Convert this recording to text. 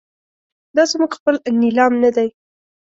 دا زموږ خپل نیلام نه دی.